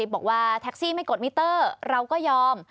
บอกว่าแท็กซี่ไม่กดมิเตอร์เราก็ยอม